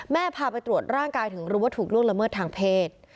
พาไปตรวจร่างกายถึงรู้ว่าถูกล่วงละเมิดทางเพศ